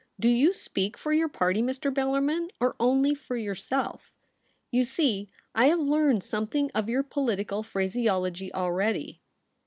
' Do you speak for your party, Mr. Bellarmin, or only for your self ? You see, I have learned something of your political phraseology already.'